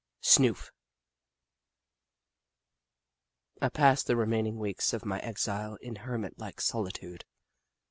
SNOOF I PASSED the remaining weeks of my exile in hermit like solitude.